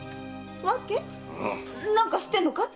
何か知ってんのかい？